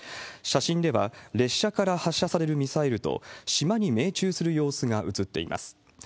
写真では、列車から発射されるミサイルと島に命中する様子が写っています。